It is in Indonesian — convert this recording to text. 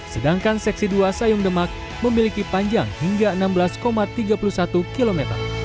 sedangkan seksi dua sayung demak memiliki panjang hingga enam belas tiga puluh satu km